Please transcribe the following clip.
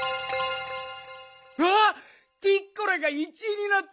うわっピッコラが１いになった！